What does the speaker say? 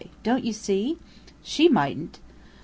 Don't you see?" "She mightn't."